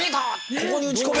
ここに打ち込めば。